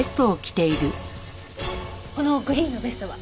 このグリーンのベストは？